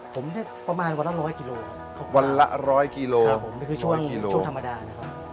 ผมได้ประมาณวันละ๑๐๐กิโลวันละ๑๐๐กิโลครับผมนี่คือช่วงช่วงธรรมดานะครับ